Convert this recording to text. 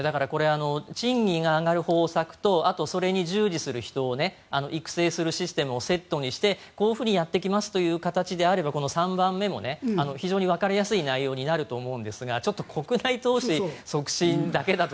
だから賃金が上がる方策とそれに従事する人を育成するシステムをセットにしてこういうふうにやっていきますという形であれば３番目も非常にわかりやすい内容になると思うんですが国内投資の促進だけだと。